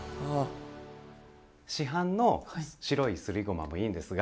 市販の白いすりごまもいいんですが。